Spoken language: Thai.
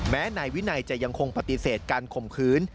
แม้ในวินัยจะยังคงปฏิเสธการคมคืน